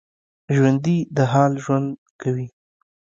ژوندي د حال ژوند کوي